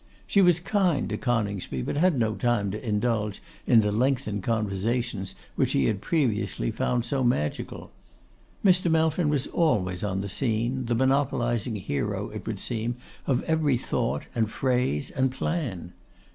She was kind to Coningsby, but had no time to indulge in the lengthened conversations which he had previously found so magical. Mr. Melton was always on the scene, the monopolising hero, it would seem, of every thought, and phrase, and plan.